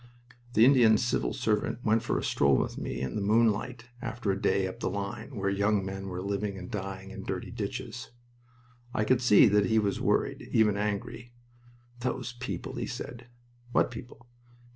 The Indian Civil Servant went for a stroll with me in the moonlight, after a day up the line, where young men were living and dying in dirty ditches. I could see that he was worried, even angry. "Those people!" he said. "What people?"